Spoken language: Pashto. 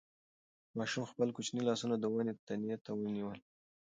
ماشوم خپل کوچني لاسونه د ونې تنې ته ونیول.